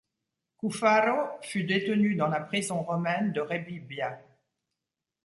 Cuffaro fut détenu dans la prison romaine de Rebibbia.